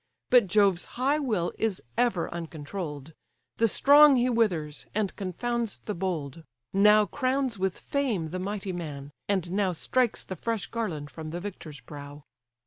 But Jove's high will is ever uncontroll'd, The strong he withers, and confounds the bold; Now crowns with fame the mighty man, and now Strikes the fresh garland from the victor's brow!